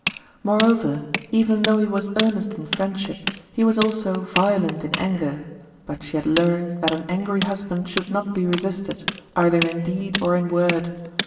Moreover, even though he was earnest in friendship, he was also violent in anger; but she had learned that an angry husband should not be resisted, either in deed or in word.